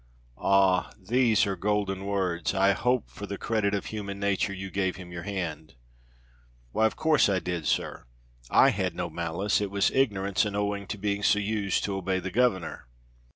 Ah! these are golden words. I hope for the credit of human nature you gave him your hand?" "Why, of course I did, sir. I had no malice; it was ignorance, and owing to being so used to obey the governor."